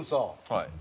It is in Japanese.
はい。